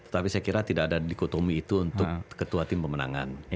tapi saya kira tidak ada dikotomi itu untuk ketua tim pemenangan